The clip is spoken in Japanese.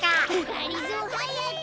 がりぞーはやく！